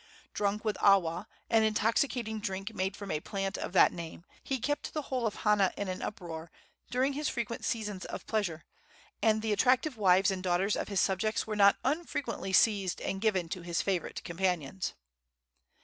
Drunk with awa, an intoxicating drink made from a plant of that name, he kept the whole of Hana in an uproar during his frequent seasons of pleasure, and the attractive wives and daughters of his subjects were not unfrequently seized and given to his favorite companions.